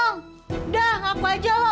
udah ngaku aja loh